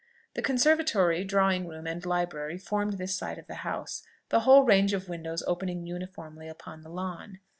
The conservatory, drawing room, and library, formed this side of the house, the whole range of windows opening uniformly upon the lawn.